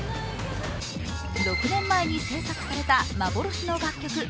６年前に制作された幻の楽曲